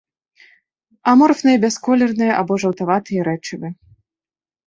Аморфныя бясколерныя або жаўтаватыя рэчывы.